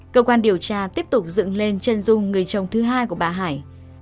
cơ quan điều tra tiếp tục dựng lên chân dung người chồng thứ hai của bà hải